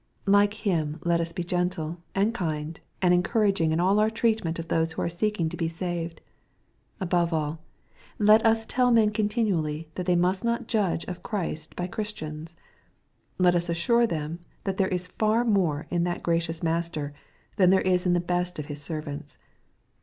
Like Him let us be gentle, and kind, and encouraging in all our treatment of those who are seeking to be saved. Above all, let us tell men continually that they must not judge of Christ by Christians. Let us assure them that there is far more in that gracious Master, than there is in the best of His servants.